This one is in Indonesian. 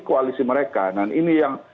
koalisi mereka dan ini yang